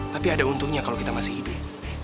tapi ada untungnya kalau kita masih hidup